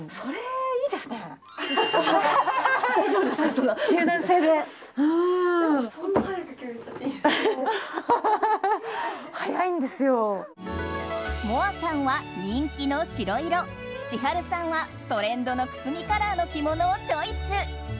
この辺とか。もあさんは人気の白色千春さんはトレンドのくすみカラーの着物をチョイス。